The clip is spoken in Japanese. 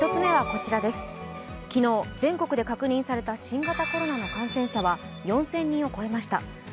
昨日、全国で確認された新型コロナの感染者は４０００人を超えました。